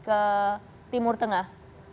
ke timur tengah